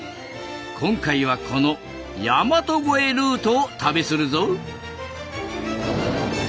今回はこの大和越えルートを旅するぞ。